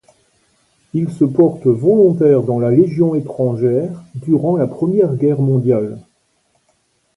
Il se porte volontaire dans la légion étrangère durant la Première Guerre mondiale.